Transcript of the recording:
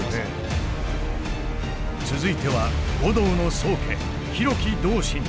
続いては護道の宗家廣木道心。